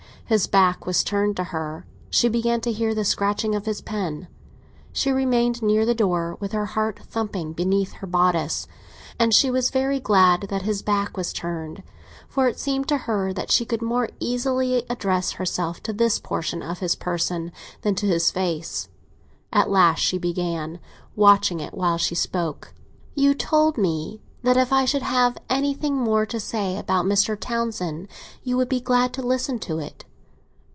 His back was turned to her—she began to hear the scratching of his pen. She remained near the door, with her heart thumping beneath her bodice; and she was very glad that his back was turned, for it seemed to her that she could more easily address herself to this portion of his person than to his face. At last she began, watching it while she spoke. "You told me that if I should have anything more to say about Mr. Townsend you would be glad to listen to it."